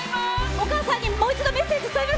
お母さんにもう一度メッセージ。